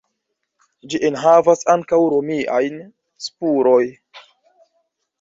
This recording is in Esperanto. Ĝi enhavas ankaŭ romiajn spuroj.